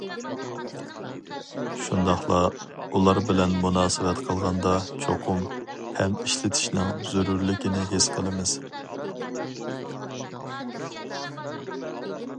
شۇنداقلا ئۇلار بىلەن مۇناسىۋەت قىلغاندا چوقۇم پەم ئىشلىتىشنىڭ زۆرۈرلۈكىنى ھېس قىلىمىز.